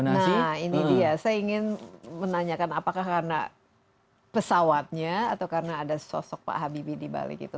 nah ini dia saya ingin menanyakan apakah karena pesawatnya atau karena ada sosok pak habibie dibalik itu